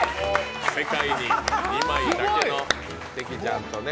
世界に２枚だけの、関ちゃんとね。